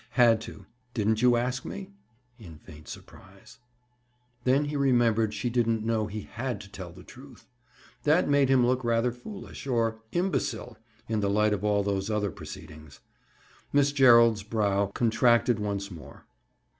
"Had to. Didn't you ask me?" In faint surprise. Then he remembered she didn't know he had to tell the truth. That made him look rather foolish—or "imbecile," in the light of all those other proceedings. Miss Gerald's brow contracted once more.